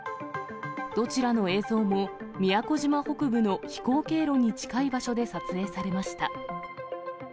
どちらの映像も、宮古島北部の飛行経路に近い場所で撮影されました。